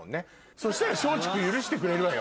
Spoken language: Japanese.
そしたら松竹許してくれるわよ。